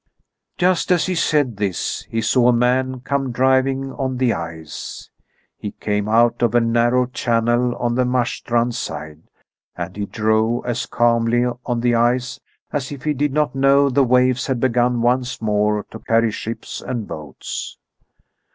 Just as he said this, he saw a man come driving on the ice. He came out of a narrow channel on the Marstrand side, and he drove as calmly on the ice as if he did not know the waves had begun once more to carry ships and boats.